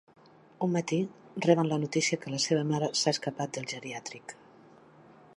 Un matí reben la notícia que la seva mare s’ha escapat del geriàtric.